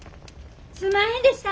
すんまへんでした。